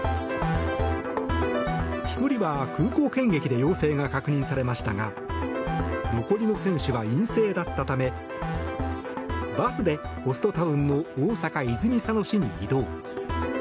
１人は空港検疫で陽性が確認されましたが残りの選手は陰性だったためバスでホストタウンの大阪・泉佐野市に移動。